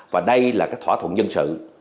và đây là cái thỏa thuận dân sự